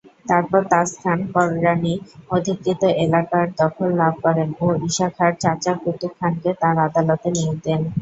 তারপর তাজ খান কররানী অধিকৃত এলাকার দখল লাভ করেন ও ঈসা খাঁর চাচা কুতুব খানকে তার আদালতে নিয়োগ দেন।